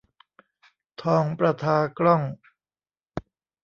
ทองประทากล้อง